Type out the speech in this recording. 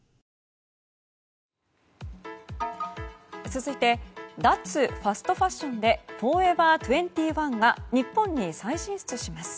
続いて脱ファストファッションでフォーエバー２１が日本に再進出します。